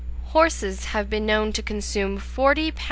Horses have been known to consume 40 lbs.